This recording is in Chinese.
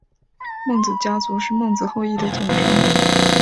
孟子家族是孟子后裔的总称。